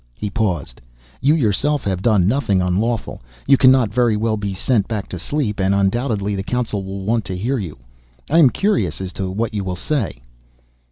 He paused. "You, yourself, have done nothing unlawful. You cannot very well be sent back to sleep, and undoubtedly the council will want to hear you. I am curious as to what you will say."